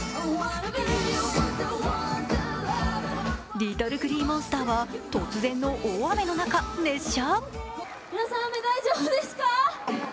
ＬｉｔｔｌｅＧｌｅｅＭｏｎｓｔｅｒは突然の大雨の中、熱唱。